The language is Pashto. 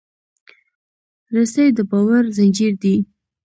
رسۍ د باور زنجیر دی.